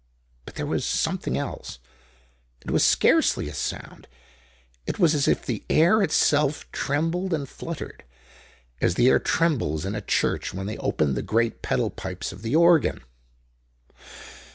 But there was something else. It was scarcely a sound; it was as if the air itself trembled and fluttered, as the air trembles in a church when they open the great pedal pipes of the organ.